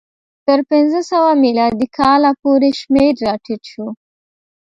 تر پنځه سوه میلادي کاله پورې شمېر راټیټ شو.